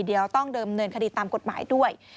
เดี๋ยวต้องเดิมเนินคดีตามกฎหมายด้วย